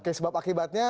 oke sebab akibatnya